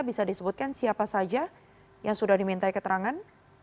bisa disebutkan siapa saja yang sudah diminta keterangan